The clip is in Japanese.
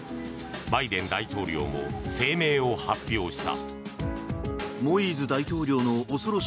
バイデン大統領も声明を発表した。